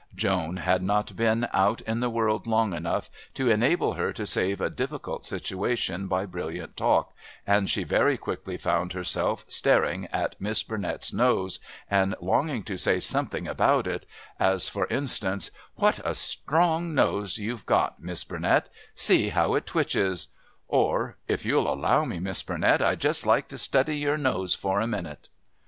Joan had not been out in the world long enough to enable her to save a difficult situation by brilliant talk, and she very quickly found herself staring at Miss Burnett's nose and longing to say something about it, as, for instance, "What a stronge nose you've got, Miss Burnett see how it twitches!" or, "If you'll allow me, Miss Burnett, I'd just like to study your nose for a minute."